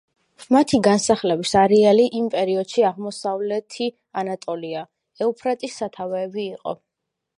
მათი განსახლების არეალი იმ პერიოდში აღმოსავლეთი ანატოლია, ევფრატის სათავეები იყო.